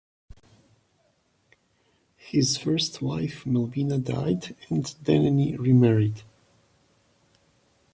His first wife Melvina died, and Denneny remarried.